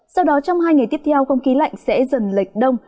sau đó trong hai ngày tiếp theo không khí lạnh sẽ dần lệch đông